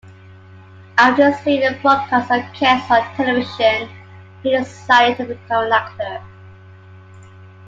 After seeing a broadcast of "Kes" on television, he decided to become an actor.